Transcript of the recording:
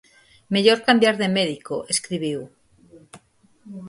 Mellor cambiar de médico, escribiu.